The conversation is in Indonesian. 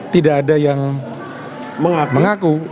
tidak ada yang mengaku